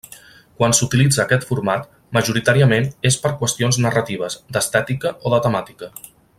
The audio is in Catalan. Quan s'utilitza aquest format, majoritàriament és per qüestions narratives, d'estètica o de temàtica.